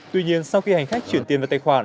tuy nhiên sau khi hành khách chuyển tiền vào tài khoản